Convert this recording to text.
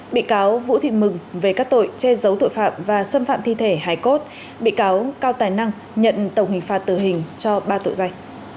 bị cáo vũ thị mừng về các tội che giấu tội phạm và xâm phạm thi thể hải cốt bị cáo cao tài năng nhận tổng hình phạt tử hình cho ba tội danh